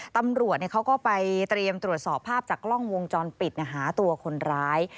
ตำรวจเขาก็ไปเตรียมตรวจสอบภาพจากกล้องวงจรปิดหาตัวคนร้าย